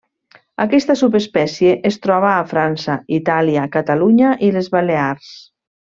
Aquesta subespècie es troba a França, Itàlia, Catalunya i les Balears.